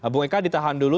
bung eka ditahan dulu